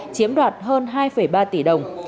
chiếm đoạt hơn hai ba tỷ đồng